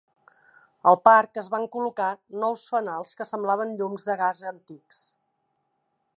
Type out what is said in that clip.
Al parc es van col·locar nous fanals que semblaven llums de gas antics.